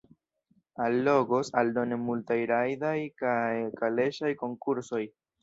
Allogos aldone multaj rajdaj kaj kaleŝaj konkursoj.